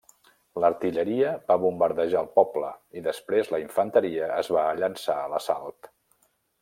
L'artilleria va bombardejar el poble i, després, la infanteria es va llençar a l'assalt.